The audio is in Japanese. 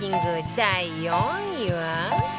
第４位は